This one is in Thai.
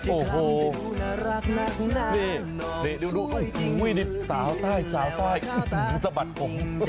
โอ้โหนี่ดูสาวใต้สะบัดผม